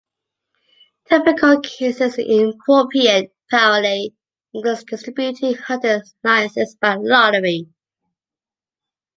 Typical cases of inappropriate priority include distributing hunting licences by lottery.